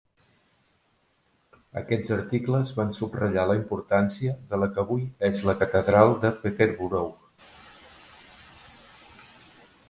Aquests articles van subratllar la importància de la que avui és la catedral de Peterborough.